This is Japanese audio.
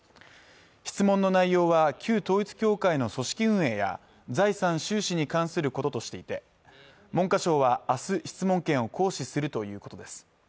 質問の内容は旧統一協会の組織運営や財産収支に関することとしていて文科省はあす質問権を行使するということです